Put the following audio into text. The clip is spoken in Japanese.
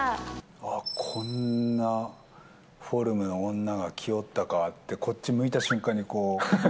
ああ、こんなフォルムの女が来よったかって、こっち向いた瞬間に、こう。